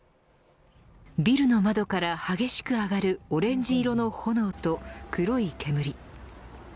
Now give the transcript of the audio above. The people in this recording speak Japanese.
ビルの窓から激しく上がるオレンジ色の炎と黒い煙。